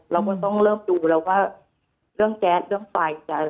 เรามนต้องเริ่มดูเรื่องแก๊สต์เรื่องไฟอะไรอย่างไร